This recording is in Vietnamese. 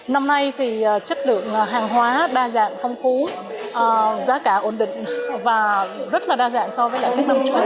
năm nay thì chất lượng hàng hóa đa dạng phong phú giá cả ổn định và rất là đa dạng so với các nông trọng